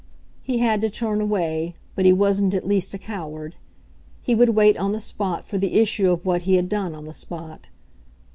He had to turn away, but he wasn't at least a coward; he would wait on the spot for the issue of what he had done on the spot.